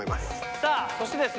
さあそしてですね